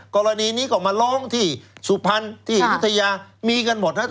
กรณีนี้ก็มาล้อมที่สุภัณฐ์ที่ฤทยามีกันหมดแล้ว